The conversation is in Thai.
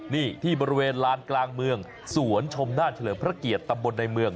นี่ที่บริเวณลานกลางเมืองสวนชมหน้าเฉลิมพระเกียรติตำบลในเมือง